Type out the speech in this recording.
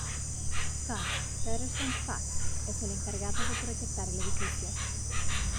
Kohn Pedersen Fox es el encargado de proyectar el edificio.